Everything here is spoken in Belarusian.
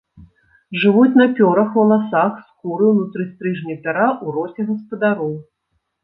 Жывуць на пёрах, валасах, скуры, унутры стрыжня пяра, у роце гаспадароў.